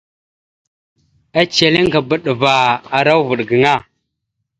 Eceleŋkaba dəva ara uvaɗ gaŋa.